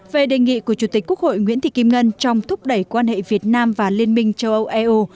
về đề nghị của chủ tịch quốc hội nguyễn thị kim ngân trong thúc đẩy quan hệ việt nam và liên minh châu âu eu